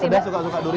sedah suka suka durian